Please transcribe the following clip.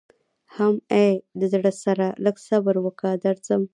حم ای د زړه سره لږ صبر وکه درځم.